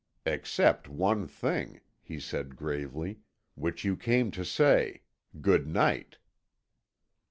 "Except one thing," he said gravely, "which you came to say, 'Good night.'"